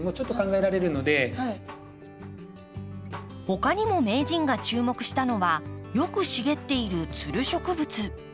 他にも名人が注目したのはよく茂っているつる植物。